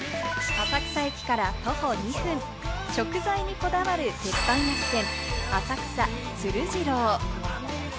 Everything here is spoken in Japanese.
浅草駅から徒歩２分、食材にこだわる鉄板焼き店、浅草つる次郎。